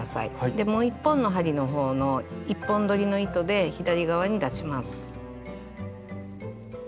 でもう一本の針の方の１本どりの糸で左側に出します。